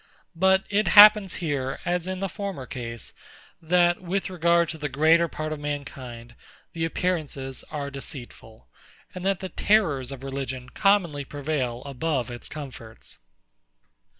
But it happens here, as in the former case, that, with regard to the greater part of mankind, the appearances are deceitful, and that the terrors of religion commonly prevail above its comforts.